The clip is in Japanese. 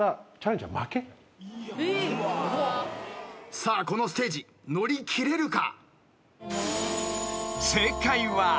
さあこのステージ乗り切れるか？